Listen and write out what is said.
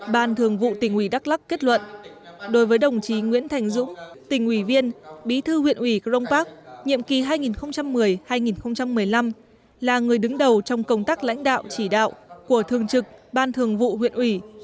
ban thường vụ tỉnh ủy đắk lắc kết luận đối với đồng chí nguyễn thành dũng tỉnh ủy viên bí thư huyện ủy crong park nhiệm kỳ hai nghìn một mươi hai nghìn một mươi năm là người đứng đầu trong công tác lãnh đạo chỉ đạo của thường trực ban thường vụ huyện ủy